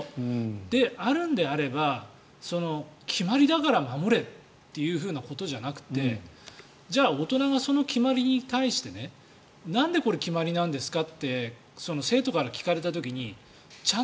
であるんであれば、決まりだから守れということじゃなくてじゃあ、大人がその決まりに対してなんで決まりなんですか？